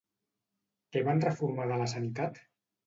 Què van reformar de la sanitat?